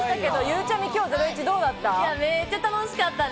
ゆうちゃみ、今日どうだった？